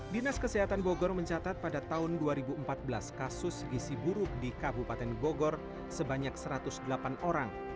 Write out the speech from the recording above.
dinas kesehatan bogor mencatat pada tahun dua ribu empat belas kasus gisi buruk di kabupaten bogor sebanyak satu ratus delapan orang